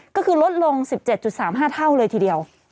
ก็คือลดลง๑๗๓๕เท่าเลยทีเดียว